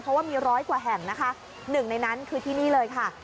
เพราะว่ามีร้อยกว่าแห่งนะคะหนึ่งในนั้นคือที่นี่เลยค่ะ